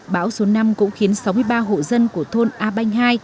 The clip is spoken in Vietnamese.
bão số năm cũng khiến sáu mươi ba hộ dân của thôn a banh hai